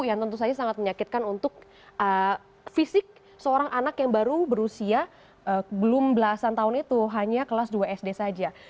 yang tentu saja sangat menyakitkan untuk fisik seorang anak yang baru berusia belum belasan tahun itu hanya kelas dua sd saja